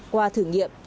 qua thử nghiệm